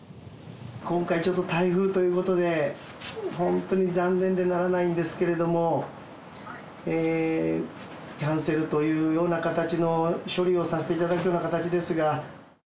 今回、ちょっと台風ということで、本当に残念でならないんですけれども、キャンセルというような形の処理をさせていただくような形ですが。